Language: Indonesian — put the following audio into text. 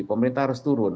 pemerintah harus turun